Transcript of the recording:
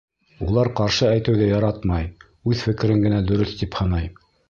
Улар ҡаршы әйтеүҙе яратмай, үҙ фекерен генә дөрөҫ тип һанай.